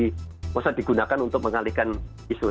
tidak usah digunakan untuk mengalihkan isu